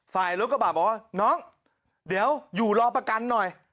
ฝ่ายรถกระบะบอกว่าน้องเดี๋ยวอยู่รอประกันหน่อย